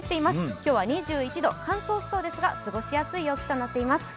今日は２１度、乾燥しそうですが過ごしやすい陽気となっています。